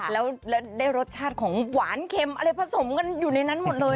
แล้วได้รสชาติของหวานเค็มอะไรผสมกันอยู่ในนั้นหมดเลย